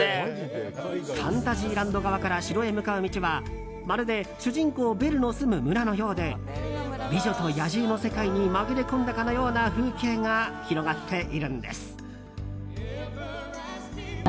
ファンタジーランド側から城へ向かう道はまるで主人公ベルの住む村のようで「美女と野獣」の世界に紛れ込んだかのような風景が広がっているんです。